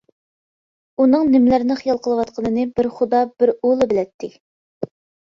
ئۇنىڭ نېمىلەرنى خىيال قىلىۋاتقىنىنى، بىر خۇدا، بىر ئۇلا بىلەتتى.